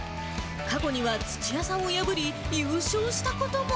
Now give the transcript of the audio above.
過去には土屋さんを破り、優勝したことも。